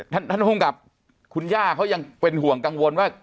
ท่านภูมิกับคุณย่าเขายังเป็นห่วงกังวลว่า